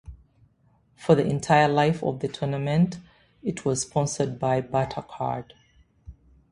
For the entire life of the tournament it was sponsored by Bartercard.